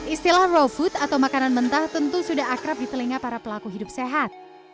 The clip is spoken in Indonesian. istilah raw food atau makanan mentah tentu sudah akrab di telinga para pelaku hidup sehat